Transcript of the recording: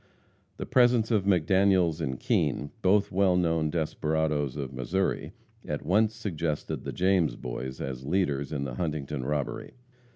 The presence of McDaniels and Kean, both well known desperadoes of Missouri, at once suggested the James Boys as leaders in the Huntington robbery.